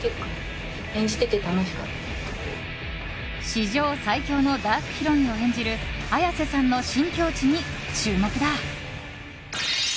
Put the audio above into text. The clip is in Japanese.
史上最強のダークヒロインを演じる綾瀬さんの新境地に注目だ。